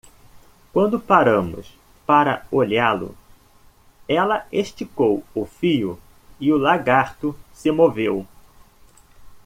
Quando paramos para olhá-lo, ela esticou o fio e o lagarto se moveu.